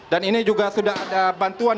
dan ini juga sudah ada bantuan